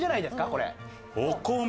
これ。